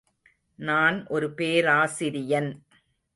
நான் ஒரு பேராசிரியன்.